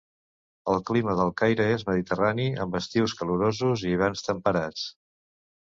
El clima del Caire és mediterrani, amb estius calorosos i hiverns temperats.